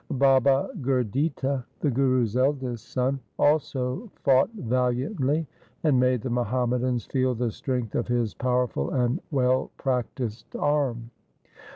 Baba Gurditta, the Guru's eldest son, also fought valiantly, and made the Muhammadans feel the strength of his power ful and well practised arm.